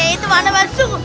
itu mana masuk